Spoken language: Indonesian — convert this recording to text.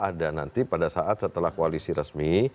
ada nanti pada saat setelah koalisi resmi